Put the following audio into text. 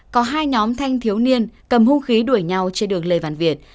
có hai nhóm thanh thiếu niên cầm hung khí đuổi nhau trên đường lê văn việt